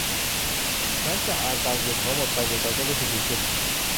หลังจากอาการเวียนหัวหมดไป เมแกนก็รู้สึกดีขึ้น